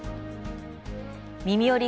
「みみより！